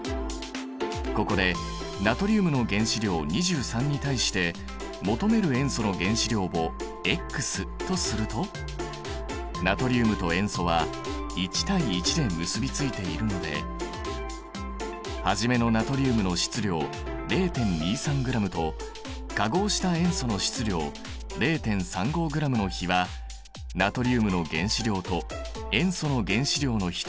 ここでナトリウムの原子量２３に対して求める塩素の原子量をとするとナトリウムと塩素は１対１で結び付いているので初めのナトリウムの質量０．２３ｇと化合した塩素の質量０．３５ｇの比はナトリウムの原子量と塩素の原子量の比と等しくなる。